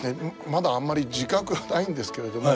まだあんまり自覚がないんですけれども